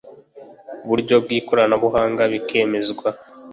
buryo bw ikoranabuhanga bikemezwa